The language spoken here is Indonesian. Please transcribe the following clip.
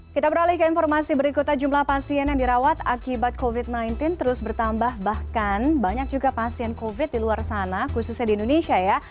kita beralih ke informasi berikutnya jumlah pasien yang dirawat akibat covid sembilan belas terus bertambah bahkan banyak juga pasien covid di luar sana khususnya di indonesia ya